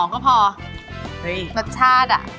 ก็พอรสชาติอะ